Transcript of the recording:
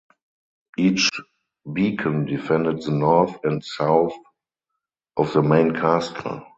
Each beacon defended the north and south of the main castle.